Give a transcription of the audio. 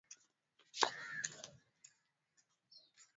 msitu Kati ya mwaka elfumbili kumi na sita na elfumbili kumi na nane